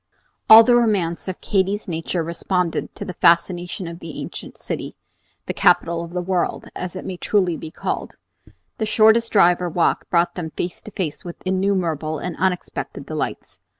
All the romance of Katy's nature responded to the fascination of the ancient city, the capital of the world, as it may truly be called. The shortest drive or walk brought them face to face with innumerable and unexpected delights.